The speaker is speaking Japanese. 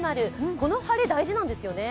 この晴れ、大事なんですよね？